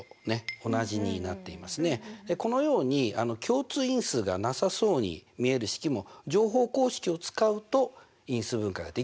このように共通因数がなさそうに見える式も乗法公式を使うと因数分解ができるというわけなんですね。